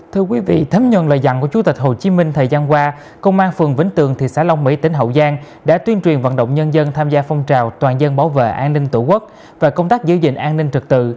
thưa quý vị thấm nhuận lời dặn của chủ tịch hồ chí minh thời gian qua công an phường vĩnh tường thị xã long mỹ tỉnh hậu giang đã tuyên truyền vận động nhân dân tham gia phong trào toàn dân bảo vệ an ninh tổ quốc và công tác giữ gìn an ninh trực tự